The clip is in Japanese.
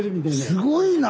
すごいな。